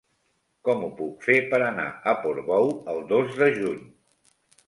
Com ho puc fer per anar a Portbou el dos de juny?